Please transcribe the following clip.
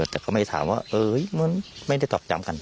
แต่ก็ไม่ถามว่าเหมือนไม่ได้ตอบจำกัน